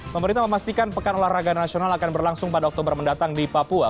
pemerintah memastikan pekan olahraga nasional akan berlangsung pada oktober mendatang di papua